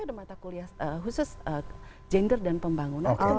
ada mata kuliah khusus gender dan pembangunan